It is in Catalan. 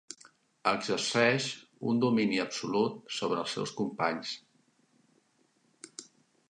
Exerceix un domini absolut sobre els seus companys.